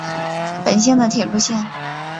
本线的铁路线。